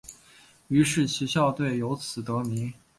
于是其校队由此得名。